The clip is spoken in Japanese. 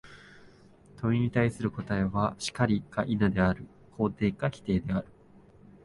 問に対する答は、「然り」か「否」である、肯定か否定である。